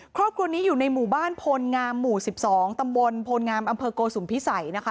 ครอบครัวนี้อยู่ในหมู่บ้านโพลงามหมู่๑๒ตำบลโพลงามอำเภอโกสุมพิสัยนะคะ